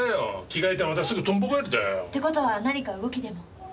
着替えてまたすぐトンボ返りだよ。って事は何か動きでも？